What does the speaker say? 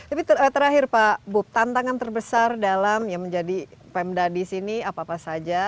tapi terakhir pak bub tantangan terbesar dalam ya menjadi pemda di sini apa apa saja